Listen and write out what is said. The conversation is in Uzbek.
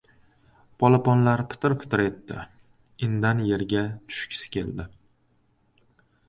Polaponlar pitir-pitir etdi. Indan yerga tushgisi keldi.